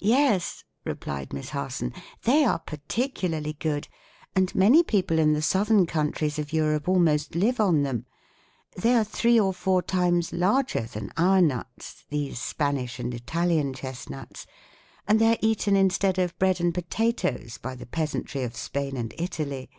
"Yes," replied Miss Harson; "they are particularly good, and many people in the southern countries of Europe almost live on them. They are three or four times larger than our nuts, these Spanish and Italian chestnuts, and they are eaten instead of bread and potatoes by the peasantry of Spain and Italy.